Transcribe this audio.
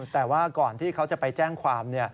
แต่ว่าก่อนที่เขาจะไปแจ้งความ